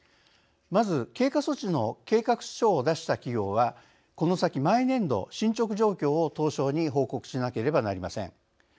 まず経過措置の計画書を出した企業はこの先毎年度進ちょく状況を東証に報告しなければなりません。